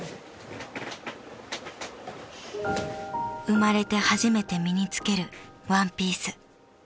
［生まれて初めて身に着けるワンピース］